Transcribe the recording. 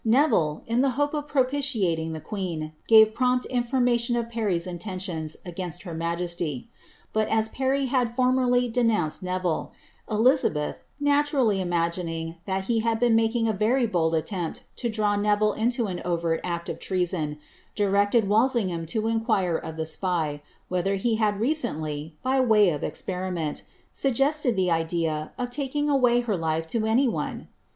Neville, in the hope of propitiating the queen, gave prompt inforniBlion of Parrj*'s intentions against her majesty; but as Parry had formerly denounced Neville, Elizabeth, naturally imagining that he had been making a very bold attempt to draw Neville into an overt act of treason, directed Walsingham to inquire of the spy, whether he had recently, by way of eiperiment, suggested the idea of taking awav her life to any one?